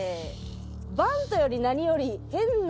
「バントより何より変なバット」。